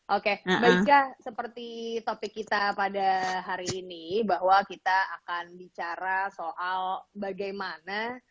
oke mbak ika seperti topik kita pada hari ini bahwa kita akan bicara soal bagaimana